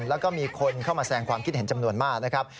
แล้วก็มีคนเข้ามาแสงความคิดเห็นจำนวนมากนะครับ